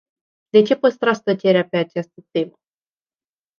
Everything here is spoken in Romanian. De ce păstrați tăcerea pe această temă?